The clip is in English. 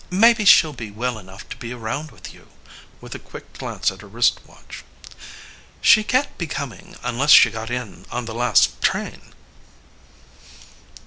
Maybe she ll be well enough to be around with you. (With a quick glance at her wrist watch.} She can t be coming unless she got in on the last train.